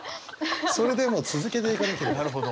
それでも続けていかなければ。